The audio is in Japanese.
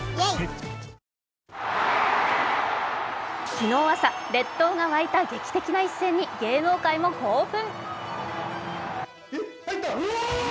昨日朝、列島が沸いた劇的な一戦に芸能界も興奮。